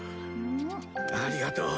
ありがとう。